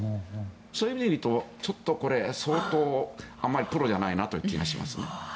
そういう意味で言うとちょっとこれ、相当あんまりプロじゃないという気がします。